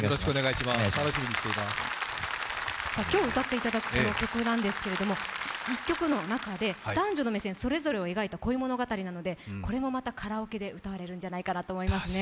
今日歌っていただくこの曲なんですけれども、１曲の中で男女の目線それぞれを描いた恋物語なので、これもまたカラオケで歌われるんじゃないかと思いますね。